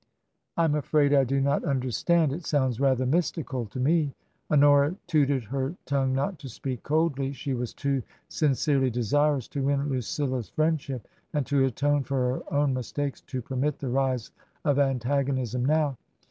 '' Fm afraid I do not understand ; it sounds rather mystical to me." Honora tutored her tongue not to speak coldly ; she was too sincerely desirous to win Lucilla's friendship and to atone for her own mistakes to * permit the rise of antagonism now.